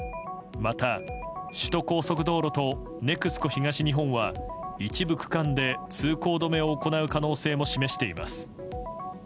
また首都高速道路とＮＥＸＣＯ東日本は一部区間で通行止めを行う可能性も示しています。